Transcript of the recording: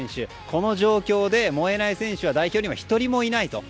この状況で燃えない選手は代表には１人もいないと。